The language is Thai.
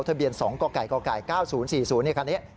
ทะเบียน๒กก๙๐๔๐คันนี้